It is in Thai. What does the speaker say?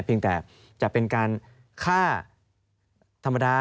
เพียงแต่จะเป็นการฆ่าธรรมดา